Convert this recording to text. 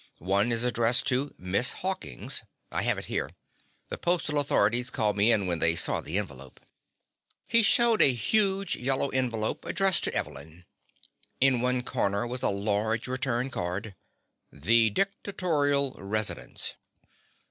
One is addressed to Miss Hawkins. I have it here. The postal authorities called me in when they saw the envelope." He showed a huge yellow envelope addressed to Evelyn. In one corner was a large return card. "_The Dictatorial Residence.